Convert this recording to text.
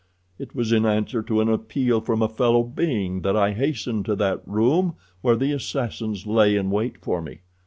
It was in answer to an appeal from a fellow being that I hastened to that room where the assassins lay in wait for me.